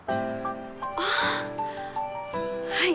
あぁはい。